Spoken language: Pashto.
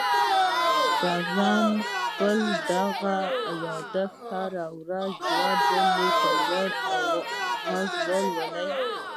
شپږم خپل دغه ياداښت هره ورځ دوه ځله په لوړ غږ ولولئ.